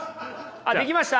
あっできました？